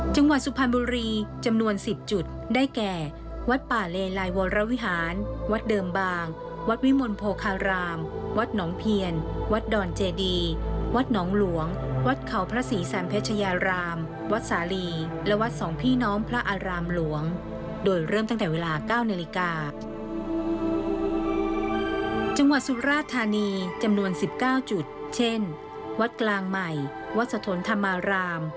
จังหวัดสุพรรณบุรีจำนวน๑๐จุดได้แก่วัดป่าเลลายวรวรวิหารวัดเดิมบางวัดวิมลโพคารามวัดหนองเพียรวัดดอนเจดีวัดหนองหลวงวัดเขาพระศรีสัมเภชยารามวัดสาลีและวัดสองพี่น้องพระอารามหลวงโดยเริ่มตั้งแต่เวลา๙นิลิกา